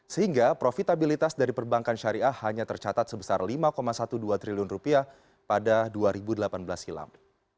sehingga profitabilitas dari perbankan syariah hanya tercatat sebesar lima dua belas triliun rupiah pada dua ribu delapan belas silam